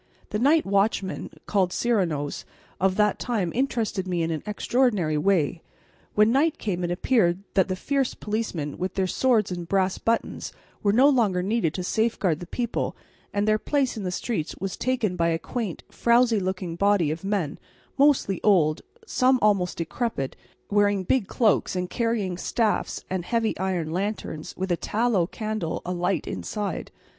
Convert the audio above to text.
The night watchmen, called Serenos, of that time interested me in an extraordinary way. When night came it appeared that the fierce policemen, with their swords and brass buttons, were no longer needed to safeguard the people, and their place in the streets was taken by a quaint, frowsy looking body of men, mostly old, some almost decrepit, wearing big cloaks and carrying staffs and heavy iron lanterns with a tallow candle alight inside.